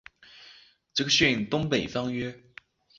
杰克逊东北方约。